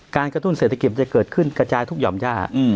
การกระทุนเศรษฐกิจจะเกิดขึ้นกระจายทุกหย่อมย่าอืม